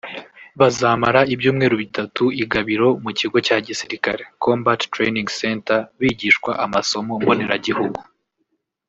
Bazamara ibyumweru bitatu i Gabiro mu kigo cya gisirikare [Combat Training Center] bigishwa amasomo mboneragihugu